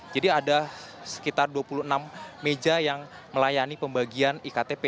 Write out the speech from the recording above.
jadi ada sekitar dua puluh enam meja yang melayani pembagian iktp